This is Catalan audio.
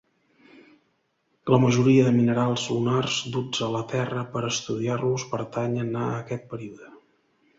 La majoria de minerals lunars duts a la Terra per estudiar-los pertanyen a aquest període.